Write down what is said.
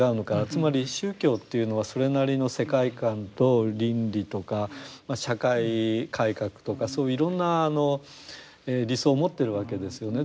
つまり宗教というのはそれなりの世界観と倫理とか社会改革とかそういういろんな理想を持ってるわけですよね。